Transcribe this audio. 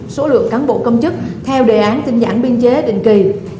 số lượng cán bộ công chức theo đề án tình dạng biên chế định kỳ